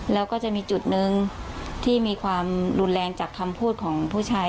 แล้วก็จะมีจุดหนึ่งที่มีความรุนแรงจากคำพูดของผู้ชาย